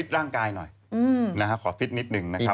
ร่างกายหน่อยขอฟิตนิดหนึ่งนะครับ